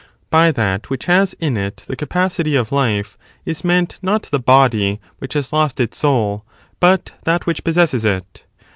By that which has in it the capacity of life is meant not the body which has lost its soul, but that which possesses it.